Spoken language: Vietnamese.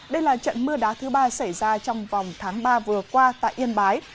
đây là trận mưa đá thứ ba xảy ra trong vòng tháng ba vừa qua tại yên bái